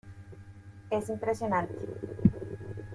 Es impresionante.